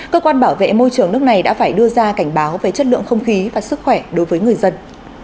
cơ quan bảo vệ môi trường nước này đã phải đưa ra cảnh báo về chất lượng không khí và sức khỏe đối với người dân